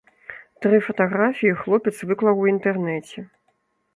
Тры фатаграфіі хлопец выклаў у інтэрнэце.